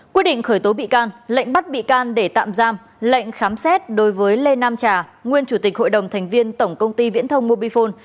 quyết định khởi tố bị can lệnh bắt bị can để tạm giam lệnh khám xét đối với lê nam trà nguyên chủ tịch hội đồng thành viên tổng công ty viễn thông mobifone